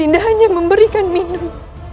dinda hanya memberikan minum